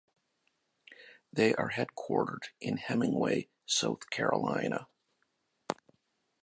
They are headquartered in Hemingway, South Carolina.